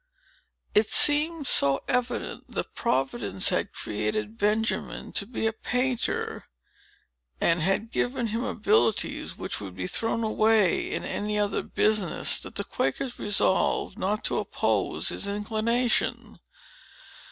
It seemed so evident that Providence had created Benjamin to be a painter, and had given him abilities which would be thrown away in any other business, that the Quakers resolved not to oppose his inclination.